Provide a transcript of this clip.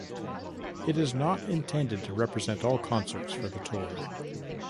It is not intended to represent all concerts for the tour.